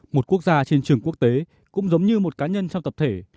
một quốc gia trên trường quốc tế cũng giống như một cá nhân trong tập thể